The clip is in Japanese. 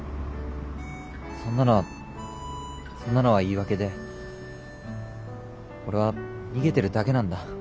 そんなのはそんなのは言い訳で俺は逃げてるだけなんだ。